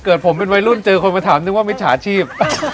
เกิดผมเป็นวัยรุ่นเจอคนมาถามนึกว่ามิจฉาชีพ